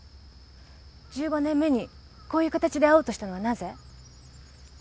１５年目にこういう形で会おうとしたのはなぜ？